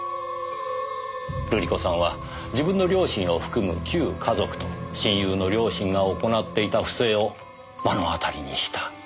瑠璃子さんは自分の両親を含む旧華族と親友の両親が行っていた不正を目の当たりにした。